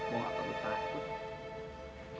gue gak perlu takut